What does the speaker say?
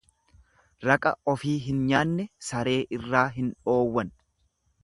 Raqa ofii hin nyaanne saree irraa hin dhoowwan.